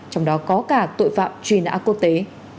trong đó có cả tội phạm truy nã quốc tế